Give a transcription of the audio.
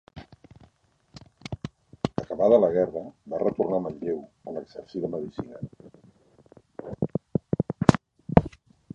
Acabada la guerra va retornar a Manlleu on exercí la medicina.